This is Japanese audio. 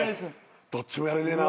どっちもやれねえな。